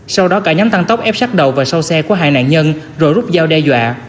sau đó cả nhóm tăng tốc ép sát đầu và sau xe của hai nạn nhân rồi rút dao đe dọa